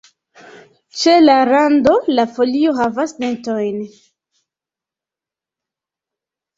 Ĉe la rando la folio havas dentojn.